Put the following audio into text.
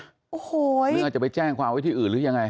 หรืออาจจะไปแจ้งความไว้ที่อื่นหรือยังไง